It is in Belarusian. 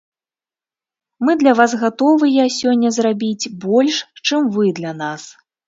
Мы для вас гатовыя сёння зрабіць больш, чым вы для нас.